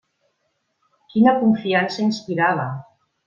Quina confiança inspirava!